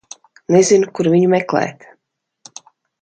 Nezinu, kur viņu meklēt.